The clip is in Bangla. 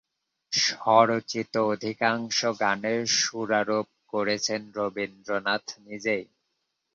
স্বরচিত অধিকাংশ গানে সুরারোপ করেছেন রবীন্দ্রনাথ নিজেই।